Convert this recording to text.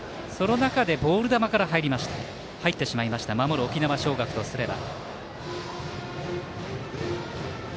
ボール球から入ってしまいました守る沖縄尚学とすれば。